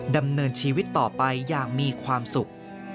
ดำเนินชีวิตต่อไปอย่างมีความสุข